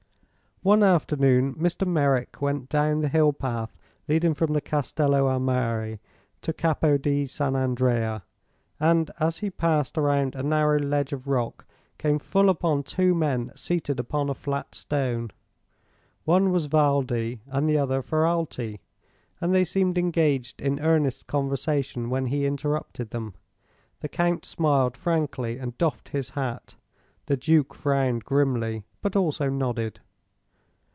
One afternoon Mr. Merrick went down the hill path leading from the Castello a Mare to Capo di San Andrea, and as he passed around a narrow ledge of rock came full upon two men seated upon a flat stone. One was Valdi and the other Ferralti, and they seemed engaged in earnest conversation when he interrupted them. The Count smiled frankly and doffed his hat; the Duke frowned grimly, but also nodded.